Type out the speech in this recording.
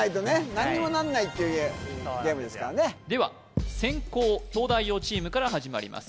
何にもならないっていうゲームですからねでは先攻東大王チームから始まります